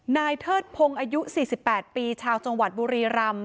เทิดพงศ์อายุ๔๘ปีชาวจังหวัดบุรีรำ